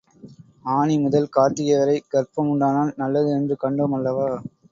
ஆனிமுதல் கார்த்திகை வரை கர்ப்பம் உண்டானால் நல்லது என்று கண்டோம் அல்லவா?